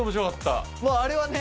あれはね。